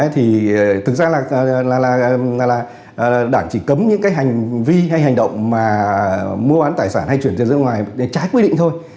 thì thực ra là đảng chỉ cấm những cái hành vi hay hành động mà mua bán tài sản hay chuyển tiền ra ngoài để trái quy định thôi